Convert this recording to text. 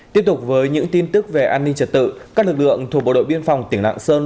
tiếp tục với những tin tức về an ninh trật tự các lực lượng thuộc bộ đội biên phòng tỉnh lạng sơn